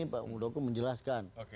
pak budoko menjelaskan